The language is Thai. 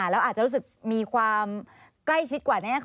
แล้วอาจจะรู้สึกมีความใกล้ชิดกว่านี้